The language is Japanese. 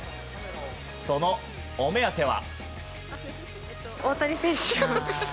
そのお目当ては。